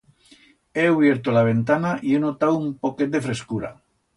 He ubierto la ventana y he notau un poquet de frescura.